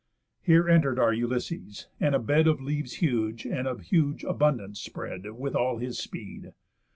Here enter'd our Ulysses; and a bed Of leaves huge, and of huge abundance, spread With all his speed.